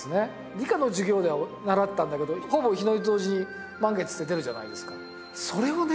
理科の授業では習ったんだけどほぼ日の入りと同時に満月って出るじゃないですかそれをね